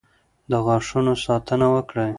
د غاښونو ساتنه وکړئ.